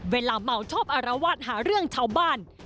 เวลาเมาชอบอารวาสหาเรื่องชาวบ้าน